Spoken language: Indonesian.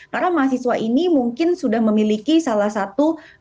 karena mahasiswa ini mungkin sudah memiliki salah satu